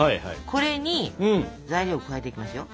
これに材料を加えていきますよ。